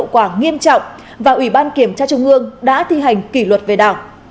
hậu quả nghiêm trọng và ủy ban kiểm tra trung ương đã thi hành kỷ luật về đảng